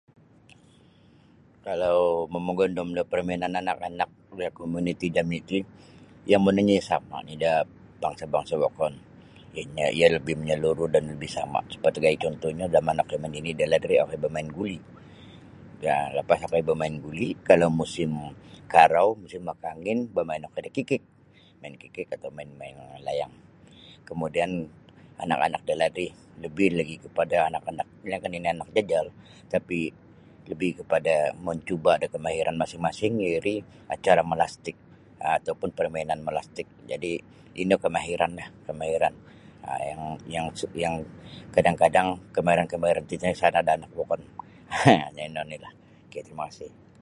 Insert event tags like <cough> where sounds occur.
Kalau mamagondom da permainan anak-anak da komuniti jami ti yang monongnya iyo sama oni da bangsa-bangsa wokon ino iyo lebih menyeluruh dan lebih sama sebagai cuntuhnyo jaman okoi manini dalaid ri okoi bamain guli um lapas okoi bamain guli kalau musim karau atau musim makaangin bermain okoi da kikik main kikik atau layang-layang kemudian anak-anak dalaid ri lebih lagi kepada anak-anak lainkah nini anak jajal iri mencuba da kemahiran masing-masing iri acara melastik atau pun permainan melastik jadi ino kemahiranlah kemahiran yang kadang-kadang kemahiran kemahiran tatino sada da anak wokon <laughs> ha ino onilah terima kasih.